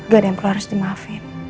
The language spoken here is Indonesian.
gak ada yang perlu harus dimaafin